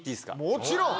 もちろん！